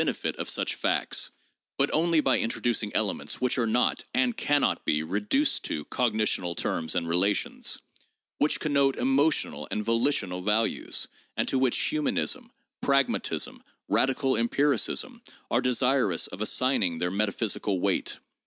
PSYCHOLOGY AND SCIENTIFIC METHODS 711 of such facts, but only by introducing elements which are not, and can not be reduced to, cognitional terms and relations; which con note emotional and volitional values; and to which 'humanism,' 'pragmatism,' 'radical empiricism,' are desirous of assigning their metaphysical weight.